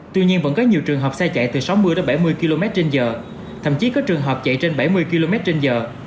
tuy nhiên vẫn có nhiều trường hợp xe chạy từ sáu mươi bảy mươi km trên giờ thậm chí có trường hợp chạy trên bảy mươi km trên giờ